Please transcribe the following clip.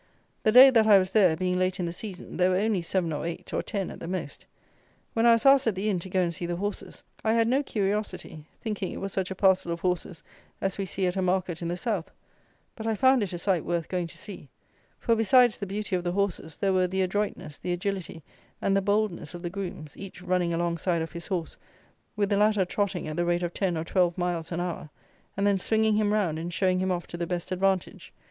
The day that I was there (being late in the season) there were only seven or eight, or ten at the most. When I was asked at the inn to go and see "the horses," I had no curiosity, thinking it was such a parcel of horses as we see at a market in the south; but I found it a sight worth going to see; for besides the beauty of the horses, there were the adroitness, the agility, and the boldness of the grooms, each running alongside of his horse, with the latter trotting at the rate of ten or twelve miles an hour, and then swinging him round, and showing him off to the best advantage.